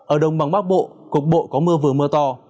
ở đông bằng bắc bộ cục bộ có mưa vừa mưa to